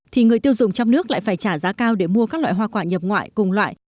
thì người tiêu dùng trong nước lại phải trả giá cao để mua các loại hoa quả nhập ngoại cùng loại